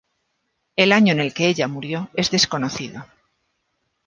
El año en el que ella murió es desconocido.